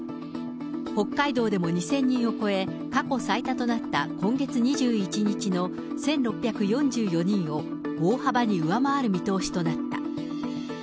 北海道でも２０００人を超え、過去最多となった今月２１日の１６４４人を大幅に上回る見通しとなった。